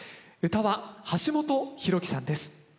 唄は橋本大輝さんです。